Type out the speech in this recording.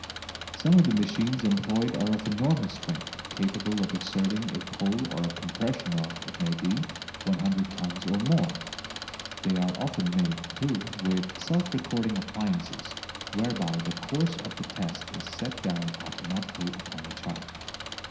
Some of the machines employed are of enormous strength, capable of exerting a pull or a compression of, it may be, 100 tons or more. They are often made, too, with self recording appliances, whereby the course of the test is set down automatically upon a chart.